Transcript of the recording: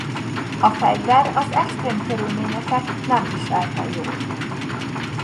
A fegyver az extrém körülményeket nem viselte jól.